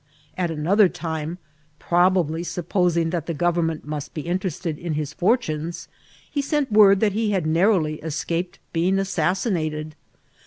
At ani. other time, probably supposing that the government must be interested in his fortunes, he sent word that he had narrowly escaped being assassinated.